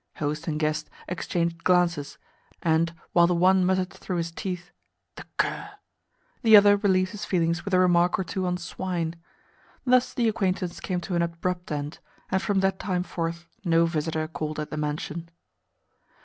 Host and guest exchanged glances, and, while the one muttered through his teeth "The cur!" the other relieved his feelings with a remark or two on swine. Thus the acquaintance came to an abrupt end, and from that time forth no visitor called at the mansion.